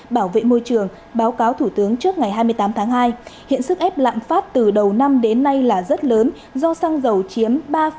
bảo vệ môi trường báo cáo thủ tướng trước ngày hai mươi tám tháng hai hiện sức ép lạm phát từ đầu năm đến nay là rất lớn do xăng dầu chiếm ba bốn